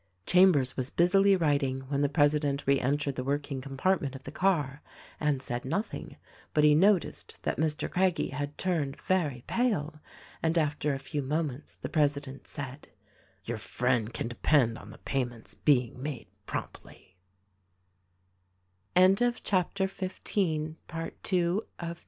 Chambers was busily writing when the President re entered the working compartment of the car, and said nothing; but he noticed that Mr. Craggie had turned very pale; and after a few moments the president said, "Your friend can depend on the payments being made p